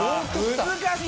難しい。